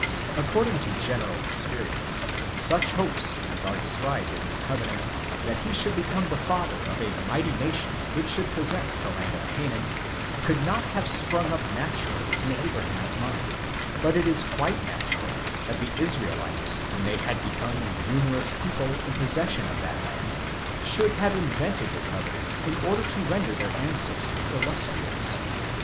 According to general experience, such hopes as are described in this covenant, that he should become the father of a mighty nation which should possess the land of Canaan, could not have sprung up naturally in Abraham's mind; but it is quite natural that the Israelites when they had become a numerous people in possession of that land, should have invented the covenant in order to render their ancestor illustrious.